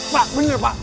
pak bener pak